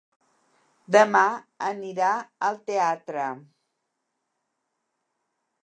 Demà anirà al teatre.